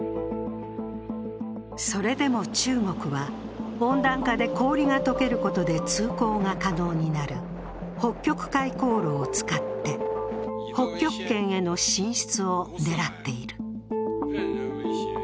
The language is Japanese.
それでも中国は、温暖化で氷が解けることで通行が可能になる北極海航路を使って北極圏への進出を狙っている。